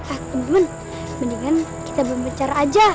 ah temen temen mendingan kita berbicara aja